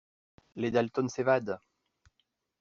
Les Dalton s'évadent.